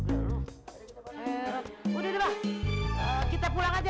udah udah pak kita pulang aja